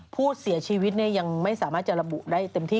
ผู้เสียชีวิตยังไม่สามารถจะระบุได้เต็มที่